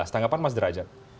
tanggapan mas derajat